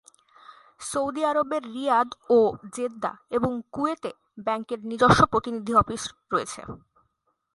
Saudi আরবের Riyadh ও Jeddah এবং কুয়েত এ ব্যাংকের নিজস্ব প্রতিনিধি অফিস রয়েছে।